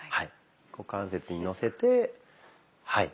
股関節にのせてはい。